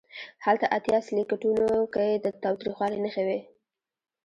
هلته اتیا سلکیټونو کې د تاوتریخوالي نښې وې.